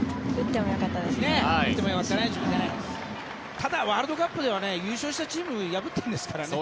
ただ、ワールドカップでは優勝したチームを破ってるんですからね。